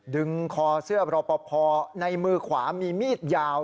ดึงคอเสื้อรอปภในมือขวามีมีดยาว